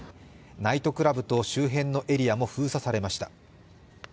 ナイトクラブと周辺のエリアも封鎖されました。